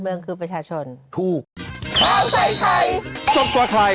เมืองคือประชาชน